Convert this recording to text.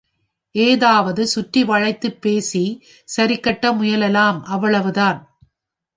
ஏதாவது சுற்றி வளைத்துப் பேசிச் சரிகட்ட முயலலாம் அவ்வளவுதான்!